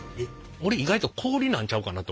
俺意外と氷なんちゃうかなと思っててん。